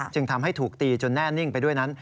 จึงทำให้ถูกตีจนแน่นิ่งไปด้วยนั้น